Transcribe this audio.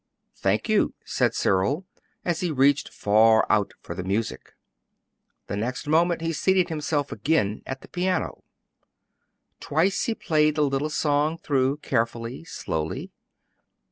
"Thank you," said Cyril as he reached far out for the music. The next moment he seated himself again at the piano. Twice he played the little song through carefully, slowly.